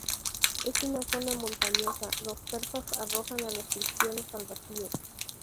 En una zona montañosa, los persas arrojan a los cristianos al vacío.